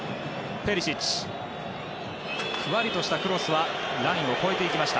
ふわりとしたクロスはラインを越えました。